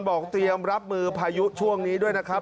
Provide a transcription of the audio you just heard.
บอกเตรียมรับมือพายุช่วงนี้ด้วยนะครับ